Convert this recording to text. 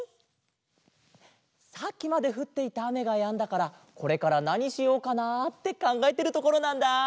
さっきまでふっていたあめがやんだからこれからなにしようかなあってかんがえてるところなんだあ。